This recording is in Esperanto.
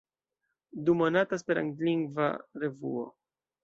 Dumonata esperantlingva revuo.